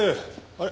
あれ？